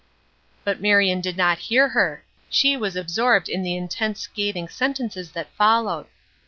But Marion did not hear her; she was absorbed in the intense scathing sentences that followed.